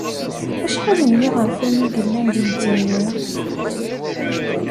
Acḥal n yiɣerfan i yellan di Lezzayer?